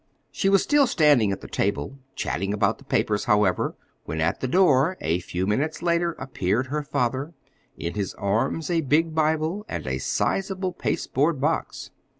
She was still standing at the table, chatting about the papers, however, when at the door, a few minutes later, appeared her father, in his arms a big Bible, and a sizable pasteboard box.